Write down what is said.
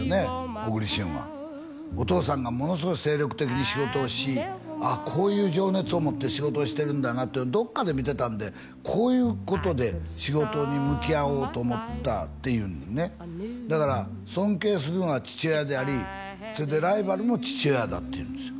小栗旬はお父さんがものすごい精力的に仕事をしこういう情熱を持って仕事をしてるんだなってどっかで見てたんでこういうことで仕事に向き合おうと思ったっていうんですねだから尊敬するのは父親でありライバルも父親だって言うんですよ